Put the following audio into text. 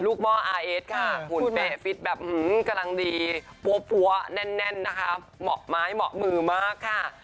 หม้ออาร์เอสค่ะหุ่นเป๊ะฟิตแบบกำลังดีปั้วแน่นนะคะเหมาะไม้เหมาะมือมากค่ะ